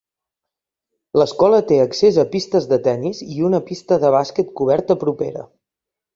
L'escola té accés a pistes de tenis i a una pista de bàsquet coberta propera.